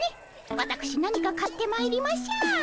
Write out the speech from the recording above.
わたくし何か買ってまいりましょう。